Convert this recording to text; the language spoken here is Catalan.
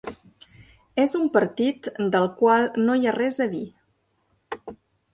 És un partit del qual no hi ha res a dir.